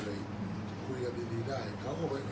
อันไหนที่มันไม่จริงแล้วอาจารย์อยากพูด